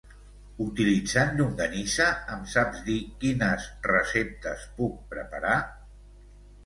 Utilitzant llonganissa em saps dir quines receptes puc preparar?